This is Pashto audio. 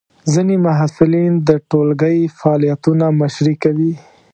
ځینې محصلین د ټولګی فعالیتونو مشري کوي.